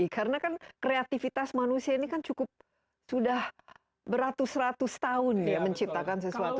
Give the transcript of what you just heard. karena kreativitas manusia ini kan cukup sudah beratus ratus tahun menciptakan sesuatu